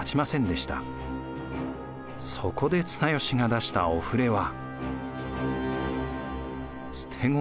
そこで綱吉が出したおふれは。